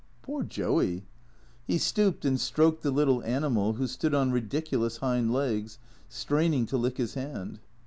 " Poor Joey." He stooped and stroked the little animal, who stood on ridic ulous hind legs, straining to lick his hand.